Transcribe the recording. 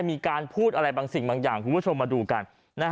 มีการพูดอะไรบางสิ่งบางอย่างคุณผู้ชมมาดูกัน